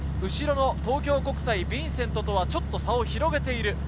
後ろの東京国際、ヴィンセントとは差を広げている。